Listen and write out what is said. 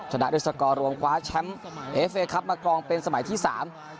ชนะด้วยสกอร์รวมคว้าแชมป์เอเฟครับมากรองเป็นสมัยที่สาม